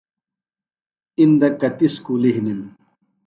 اِندہ کتیۡ اُسکُلیۡ ہِنِم؟